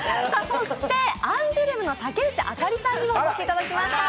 そして、アンジュルムの竹内朱莉さんにもお越しいただきました。